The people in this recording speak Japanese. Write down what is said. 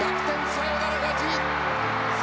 サヨナラ勝ち！